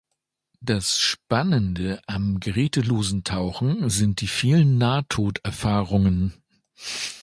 Das Spannende am gerätelosen Tauchen sind die vielen Nahtoderfahrungen.